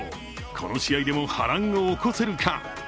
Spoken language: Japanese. この試合でも波乱を起こせるか。